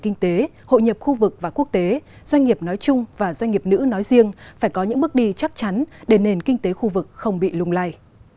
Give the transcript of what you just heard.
nhiều doanh nghiệp nữ nói riêng phải có những bước đi chắc chắn để nền kinh tế khu vực không bị lung lay